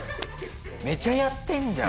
めちゃやってんじゃん。